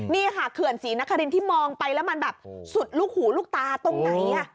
นี่ค่ะเขื่อนศรีนครินที่มองไปแล้วมันแบบสุดลูกหูลูกตาตรงไหน